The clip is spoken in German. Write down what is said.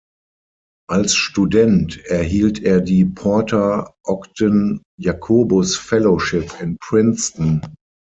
Als Student erhielt er die Porter-Ogden-Jacobus-Fellowship in Princeton.